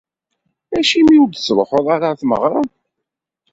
Acimi ur d-tettruḥuḍ ara ɣer tmeɣra?